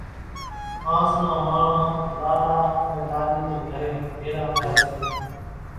هانز نان ماڻۿان لاڏا انين لاڏِي نين گھرين ڀيران ٿائيَ سي۔